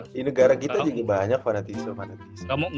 di negara kita jadi banyak fanatisme fanatisme